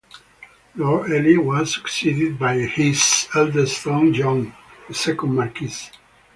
Lord Ely was succeeded by his eldest son, John, the second Marquess.